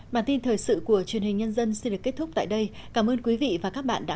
bản tin thời sự của truyền hình nhân dân xin được kết thúc tại đây cảm ơn quý vị và các bạn đã